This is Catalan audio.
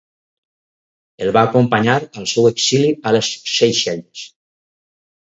El va acompanyar al seu exili a les Seychelles.